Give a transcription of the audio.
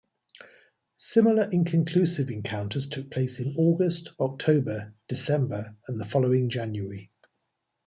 Similar inconclusive encounters took place in August, October, December, and the following January.